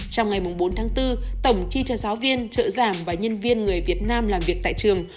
trong ngày bốn tháng bốn tổng chi cho giáo viên trợ giảng và nhân viên người việt nam làm việc tại trường